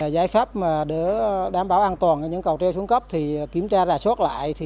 giải pháp đảm bảo an toàn những cầu treo xuống cấp thì kiểm tra rà suốt lại